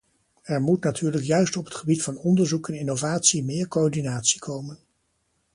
Er moet natuurlijk juist op het gebied van onderzoek en innovatie meer coördinatie komen.